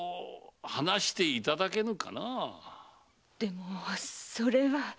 でもそれは。